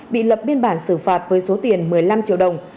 bị lập biên bản xử phạt với số tiền một mươi năm triệu đồng